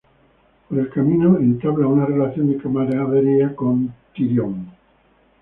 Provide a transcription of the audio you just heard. Por el camino entabla una relación de camaradería con Tyrion.